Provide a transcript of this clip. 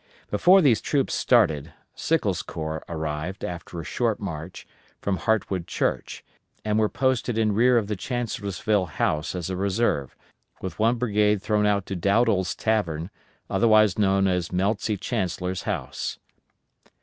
Before these troops started, Sickles' corps arrived, after a short march, from Hartwood Church, and were posted in rear of the Chancellorsville House as a reserve, with one brigade thrown out to Dowdall's Tavern, otherwise known as Melzi Chancellor's house.